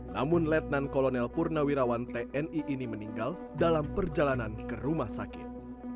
namun letnan kolonel purnawirawan tni ini meninggal dalam perjalanan ke rumah sakit